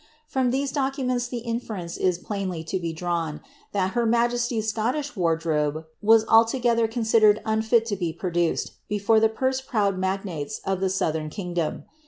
From Ti.fse documents the inference is plainly to be drawn, that her niaje*iv's ic« tish wardrobe was altogether coiifliclered unfit to be produced befoje :!.f Eurse proud magnates of the siiuihern kingdom.